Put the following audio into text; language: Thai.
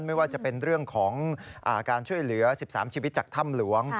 ไม่ว่าจะเป็นเรื่องของการช่วยเหลือ๑๓ชีวิตจากถ้ำหลวง